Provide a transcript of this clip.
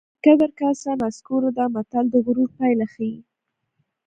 د کبر کاسه نسکوره ده متل د غرور پایله ښيي